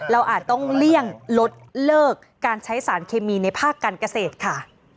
อาจต้องเลี่ยงลดเลิกการใช้สารเคมีในภาคการเกษตรค่ะ